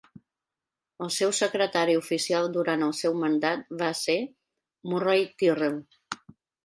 El seu secretari oficial durant el seu mandat va ser Murray Tyrrell.